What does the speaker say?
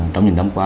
trong những năm qua